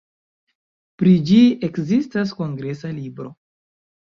Pri ĝi ekzistas kongresa libro.